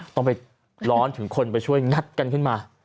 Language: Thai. ต้องไปร้อนถึงคนไปช่วยงัดกันขึ้นมา